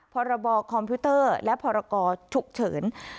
พรบคอมพิวเตอร์และพรกรฉุกเฉิน